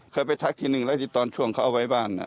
เคยไปทักทีนึงแล้วที่ตอนช่วงเขาเอาไว้บ้าน